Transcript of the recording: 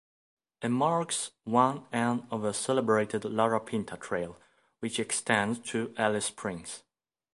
It marks one end of the celebrated Larapinta trail, which extends to Alice Springs.